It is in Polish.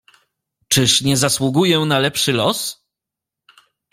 "Czyż nie zasługuję na lepszy los?"